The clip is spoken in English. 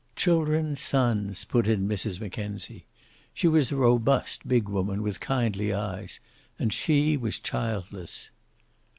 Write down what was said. "Children sons," put in Mrs. Mackenzie. She was a robust, big woman with kindly eyes, and she was childless.